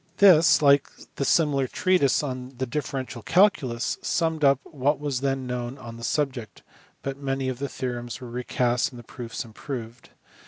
This, like the similar treatise on the differential calculus, summed up what was then known on the subject, but many of the theorems were recast and the proofs improved.